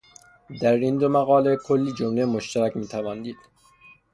در این دو مقاله، کلی جملهٔ مشترک میتوان دید